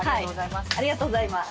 ありがとうございます。